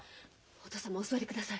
お義父様お座りください。